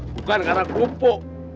bukan karena kupu